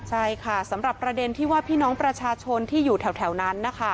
ใช่ค่ะสำหรับประเด็นที่ว่าพี่น้องประชาชนที่อยู่แถวนั้นนะคะ